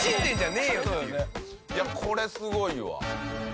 いやこれすごいわ。